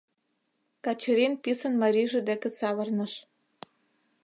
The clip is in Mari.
Качырин писын марийже деке савырныш.